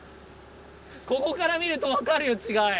ここから見ると分かるよ違い。